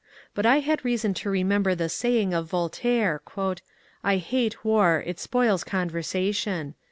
But I had reason to remember the saying of Voltaire, " I hate War ; it spoils conversation."